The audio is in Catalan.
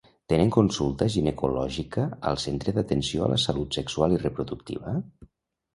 Tenen consulta ginecològica al centre d'atenció a la salut sexual i reproductiva?